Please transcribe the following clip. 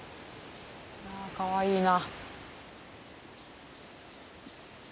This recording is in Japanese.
あかわいいな。